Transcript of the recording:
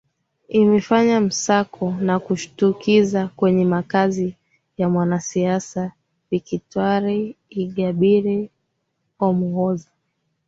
imefanya msako wa kushtukiza kwenye makaazi ya mwanasiasa vikitware ingabire omuhoza